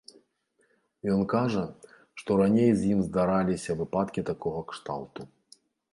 Ён кажа, што раней з ім здараліся выпадкі такога кшталту.